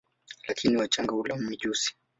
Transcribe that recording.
Lakini wachanga hula mijusi.